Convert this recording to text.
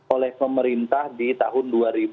oleh pemerintah di tahun dua ribu dua puluh